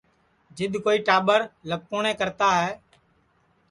جِد کوئی ٽاٻرَ لپکُﯡنیں کرتا ہے